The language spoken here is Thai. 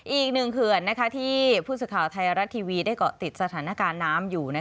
อีกหนึ่งเขื่อนที่พูดสุดข่าวไทยรัตน์ทีวีได้เกาะติดสถานการณ์น้ำอยู่